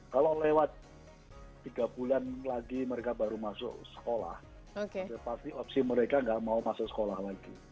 kalau lewat tiga bulan lagi mereka baru masuk sekolah pasti opsi mereka nggak mau masuk sekolah lagi